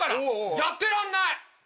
やってらんない！